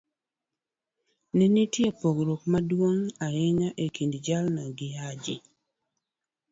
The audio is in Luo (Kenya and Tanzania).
ne nitie pogruok maduong ' ahinya e kind jalno gi Haji.